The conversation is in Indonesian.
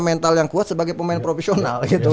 mental yang kuat sebagai pemain profesional gitu